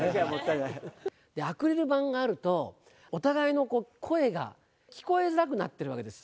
アクリル板があると、お互いの声が聞こえづらくなってるわけです。